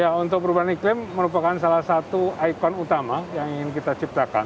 ya untuk perubahan iklim merupakan salah satu ikon utama yang ingin kita ciptakan